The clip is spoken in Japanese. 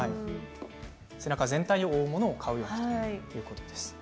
背中全体を覆うものを買うということです。